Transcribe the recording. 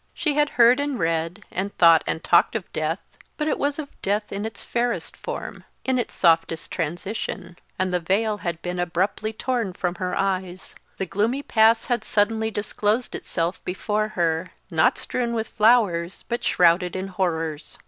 She had heard and read, and thought and talked of death; but it was of death in its fairest form, in its softest transition: and the veil had been abruptly torn from her eyes; the gloomy pass had suddenly disclosed itself before her, not strewed with flowers but shrouded in horrors.